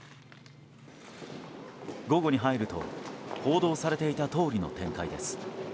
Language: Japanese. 午後に入ると報道されていたとおりの展開です。